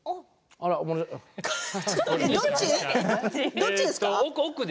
どっちですか？